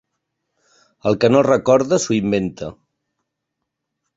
El que no recorda s'ho inventa.